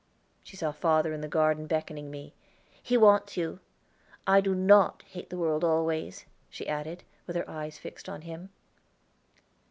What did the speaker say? She saw father in the garden beckoning me. "He wants you. I do not hate the world always," she added, with her eyes fixed on him.